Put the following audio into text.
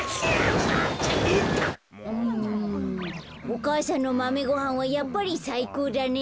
お母さんのマメごはんはやっぱりさいこうだね。